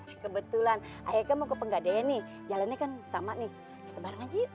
eh kebetulan ae kan mau ke penggadein nih jalannya kan sama nih kita bareng aja yuk